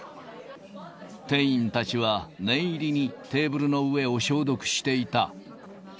店員たちは念入りにテーブルの上を消毒していた。